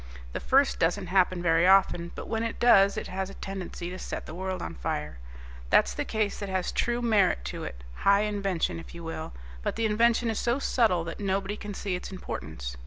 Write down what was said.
The first doesn't happen very often, but when it does it has a tendency to set the world on fire. That's the case that has true merit to it high invention, if you will but the invention is so subtle that nobody can see its importance.